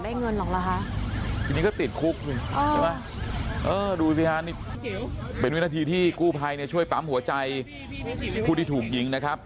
อีกนิดนึงก็ติดคุกสิเออดูพิธานิดเป็นวินาทีที่กู้ภัยช่วยปั๊มหัวใจผู้ที่ถูกยิงนะครับ